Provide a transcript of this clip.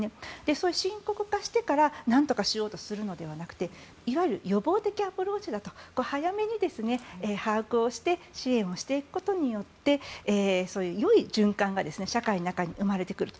そうやって深刻化してしまってからなんとかしようとするのではなくて予防的アプローチ早めに把握して支援していくことによってそういうよい循環が社会の中に生まれてくると。